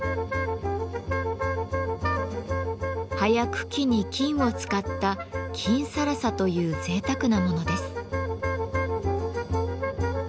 葉や茎に金を使った「金更紗」というぜいたくなものです。